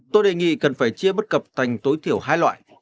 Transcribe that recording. tôi đề nghị cần phải chia bất cập thành tối thiểu hai loại